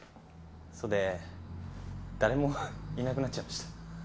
それで誰もははっいなくなっちゃいました。